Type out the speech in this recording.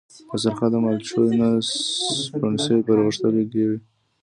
په سرخه د مالوچو نه سپڼسي پرغښتلي كېږي۔